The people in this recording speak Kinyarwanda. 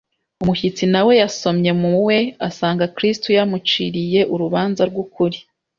umushyitsi na we yasomye mu we. Asanga Kristo yamuciriye urubanza rw'ukuri.